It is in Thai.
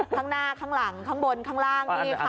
ข้างหน้าข้างหลังข้างบนข้างล่างนี่ค่ะ